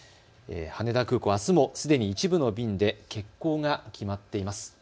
羽田空港、あすもすでに一部の便で欠航が決まっています。